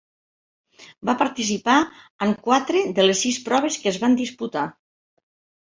Va participar en quatre de les sis proves que es van disputar.